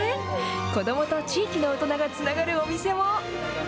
子どもと地域の大人がつながるお店も。